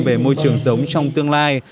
về môi trường sống trong tương lai